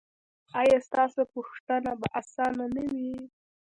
ایا ستاسو پوښتنه به اسانه نه وي؟